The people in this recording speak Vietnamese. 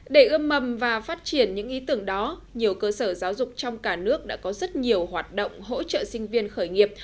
để ươm mầm và phát triển những ý tưởng đó nhiều cơ sở giáo dục trong cả nước đã có rất nhiều hoạt động hỗ trợ sinh viên khởi nghiệp